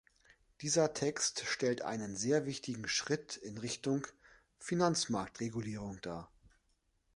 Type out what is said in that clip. Dieser Text stellt einen sehr wichtigen Schritt in Richtung Finanzmarktregulierung dar.